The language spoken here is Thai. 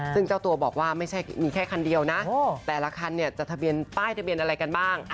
ซึ่งเจ้าตัวบอกว่าไม่ใช่มีแค่คันเดียวนะแต่ละคันเนี่ยจะทะเบียนป้ายทะเบียนอะไรกันบ้าง